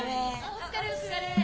お疲れお疲れ。